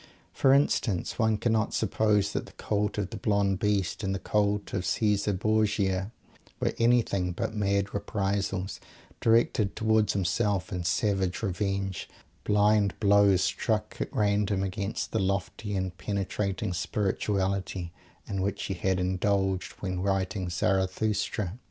For instance, one cannot suppose that the cult of "the Blonde Beast," and the cult of Caesar Borgia, were anything but mad reprisals, directed towards himself, in savage revenge; blind blows struck at random against the lofty and penetrating spirituality in which he had indulged when writing Zarathustra.